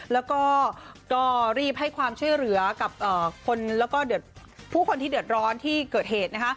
แล้วก็รีบให้ความช่วยเหลือกับคนแล้วก็ผู้คนที่เดือดร้อนที่เกิดเหตุ